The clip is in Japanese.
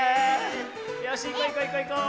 よしいこういこういこう。